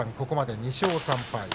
ここまで２勝３敗。